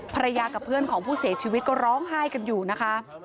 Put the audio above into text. กับเพื่อนของผู้เสียชีวิตก็ร้องไห้กันอยู่นะคะ